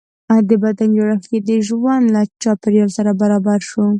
د بدن جوړښت یې د ژوند له چاپېریال سره برابر شو.